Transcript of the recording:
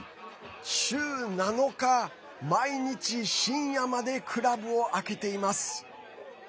週７日、毎日深夜までクラブを開けています。